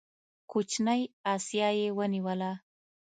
کوچنۍ اسیا یې ونیوله.